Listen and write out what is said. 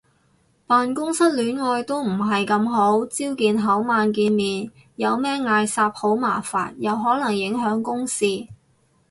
辦公室戀愛都唔係咁好，朝見口晚見面有咩嗌霎好麻煩，又可能影響公事